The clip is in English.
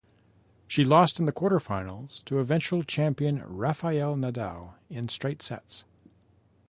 He lost in the quarterfinals to eventual champion Rafael Nadal in straight sets.